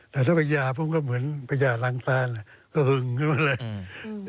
แต่ถ้าประหย่าพวกมันก็เหมือนประหย่าลังแตนก็หึงกันมาเลย